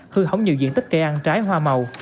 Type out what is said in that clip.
hư hỏng nhiều diện tích cây ăn trái hoa màu